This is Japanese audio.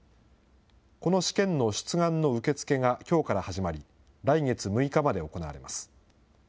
この試験の出願の受け付けがきょうから始まり、来月６日まで行われます。